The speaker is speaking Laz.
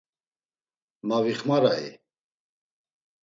Ma vixmarai?